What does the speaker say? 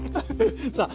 さあ